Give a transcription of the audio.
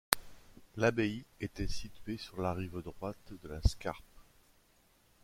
L'abbaye était située sur la rive droite de la Scarpe.